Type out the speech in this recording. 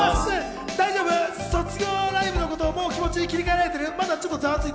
卒業ライブのこと、気持ち切り替えられてる？